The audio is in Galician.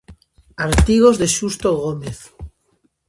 Artigos de Xusto Gómez.